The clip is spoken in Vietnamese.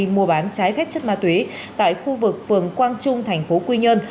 mua bán trái phép chất ma túy tại khu vực phường quang trung thành phố quy nhơn